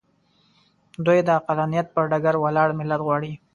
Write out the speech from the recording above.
دوی د عقلانیت پر ډګر ولاړ ملت غواړي.